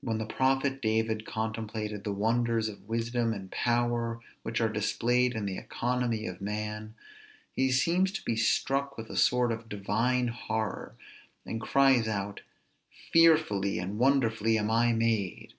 When the prophet David contemplated the wonders of wisdom and power which are displayed in the economy of man, he seems to be struck with a sort of divine horror, and cries out, fearfully and wonderfully am I made!